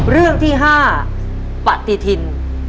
เรื่องที่๕ปฏิทิน